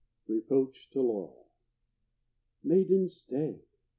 REPROACH TO LAURA. Maiden, stay!